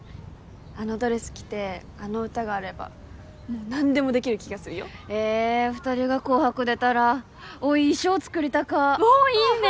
あのドレス着てあの歌があればもう何でもできる気がするよええ二人が紅白出たらおい衣装作りたかおおいいね！